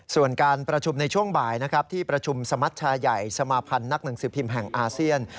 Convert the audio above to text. ส่วนการประชุมในช่วงบ่ายนะครับที่ประชุมสมัชชาใหญ่สมาพันธ์นักหนังสือพิมพ์แห่งอาเซียน